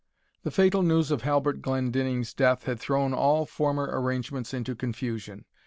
The fatal news of Halbert Glendinning's death had thrown all former arrangements into confusion.